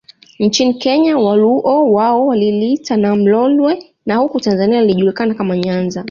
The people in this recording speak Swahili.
Nchini Kenya Waluo wao waliliita Nam Lolwe na huku Tanzania lilijulikana kama Nyanza